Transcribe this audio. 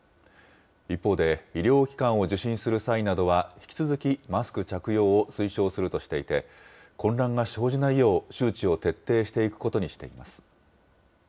一方で、医療機関を受診する際などは、引き続きマスク着用を推奨するとしていて、混乱が生じないよう、周知を徹底していくことにしています。